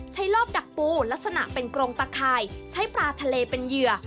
รอบดักปูลักษณะเป็นกรงตะข่ายใช้ปลาทะเลเป็นเหยื่อ